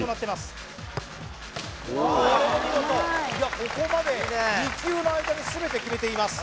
これも見事いやここまで２球の間に全て決めています